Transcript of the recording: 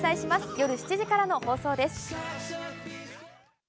夜７時からの放送です。